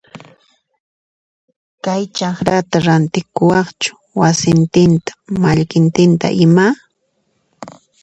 Kay chakrata rantikuwaqchu wasintinta mallkintinta ima?